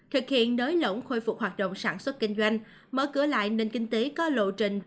thực hiện đới lỏng khôi phục hoạt động sản xuất kinh doanh mở cửa lại nền kinh tế có lộ trình